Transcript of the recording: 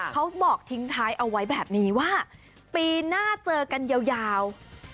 เขาบอกทิ้งท้ายเอาไว้แบบนี้ว่าปีหน้าเจอกันยาว